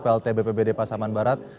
plt bpbd pasaman barat